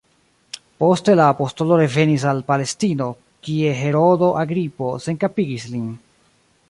Poste la apostolo revenis al Palestino, kie Herodo Agripo senkapigis lin.